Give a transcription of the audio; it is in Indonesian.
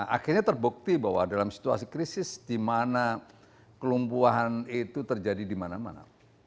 akhirnya terbukti bahwa dalam situasi krisis di mana kelumpuhan itu terjadi di mana mana